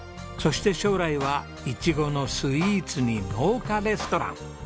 そして将来はイチゴのスイーツに農家レストラン。